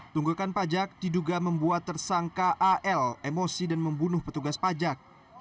tunggakan pajak diduga membuat tersangka al emosi dan membunuh petugas pajak